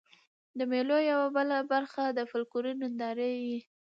د مېلو یوه بله برخه د فکلوري نندارې يي.